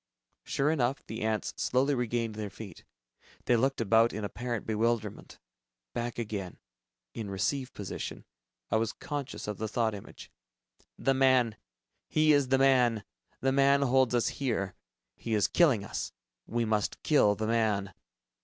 Sure enough ... the ants slowly regained their feet. They looked about in apparent bewilderment. Back again, in "receive" position, I was conscious of the thought image, "The man ... he is the man. The man holds us here. He is killing us. We must kill the man."